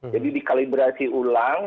jadi dikalibrasi ulang